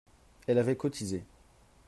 Elle avait cotisé